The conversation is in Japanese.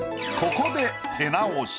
ここで。